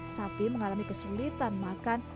sapi mengalami kesulitan makan